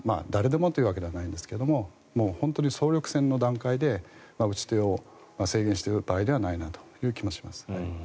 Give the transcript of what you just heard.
誰でもというわけではないんですが本当に総力戦の段階で打ち手を制限している場合ではないなという気がします。